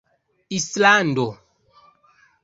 islando